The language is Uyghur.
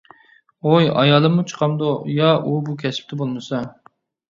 ھوي، ئايالىممۇ چىقامدۇ؟ يا ئۇ بۇ كەسىپتە بولمىسا.